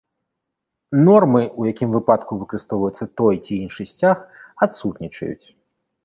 Нормы, у якім выпадку выкарыстоўваецца той ці іншы сцяг адсутнічаюць.